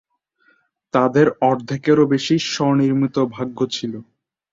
তাদের অর্ধেকেরও বেশি স্ব-নির্মিত ভাগ্য ছিল।